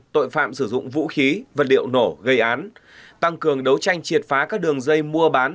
tội phạm sử dụng vũ khí vật liệu nổ gây án tăng cường đấu tranh triệt phá các đường dây mua bán